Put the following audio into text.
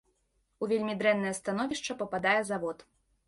У вельмі дрэннае становішча пападае завод.